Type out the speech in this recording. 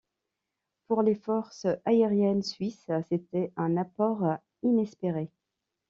Pour les forces aériennes suisses, c'était un apport inespéré.